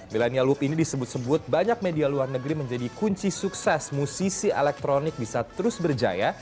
millennial loop ini disebut sebut banyak media luar negeri menjadi kunci sukses musisi elektronik bisa terus berjaya